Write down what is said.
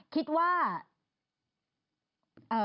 คิดว่า